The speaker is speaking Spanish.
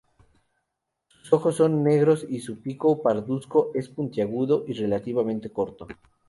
Sus ojos son negros y su pico parduzco es puntiagudo y relativamente corto.